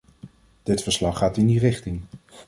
Dit verslag gaat in die richting.